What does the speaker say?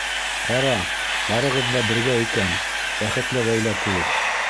Ҡара, барығыҙ ҙа бергә икән, бәхетле ғаилә кеүек...